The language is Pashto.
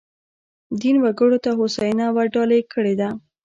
دین وګړو ته هوساینه ورډالۍ کړې ده.